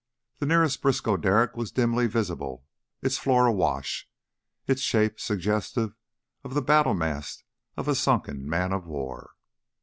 The nearest Briskow derrick was dimly visible, its floor awash, its shape suggestive of the battle mast of a sunken man of war.